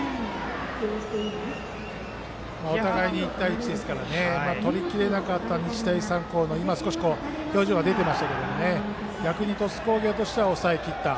１対１ですからね取りきれなかった日大三高、表情が出ていましたが逆に鳥栖工業としては抑えきった。